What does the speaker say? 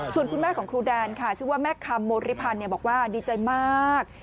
ส่วนคุณแม่ของครูแดนค่ะชื่อว่าแม่คำโมริพันธ์บอกว่าดีใจมาก